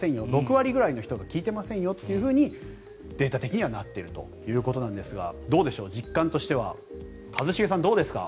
６割ぐらいの人が聞いてませんよとデータ的にはなっているということなんですがどうでしょう、実感としては一茂さんどうですか。